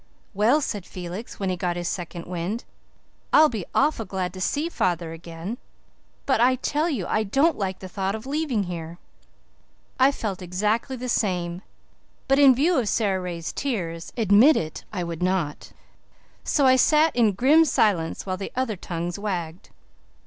"Well," said Felix, when he got his second wind, "I'll be awful glad to see father again, but I tell you I don't like the thought of leaving here." I felt exactly the same but, in view of Sara Ray's tears, admit it I would not; so I sat in grum silence while the other tongues wagged.